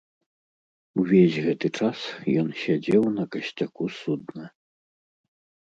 Увесь гэты час ён сядзеў на касцяку судна.